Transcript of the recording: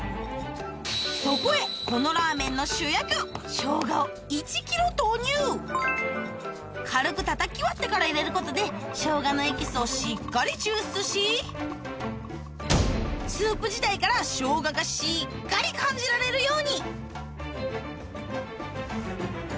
そこへこのラーメンの主役生姜を１ｋｇ投入軽くたたき割ってから入れることで生姜のエキスをしっかり抽出しスープ自体から生姜がしっかり感じられるように！